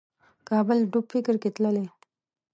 کابل ډوب فکر کې تللی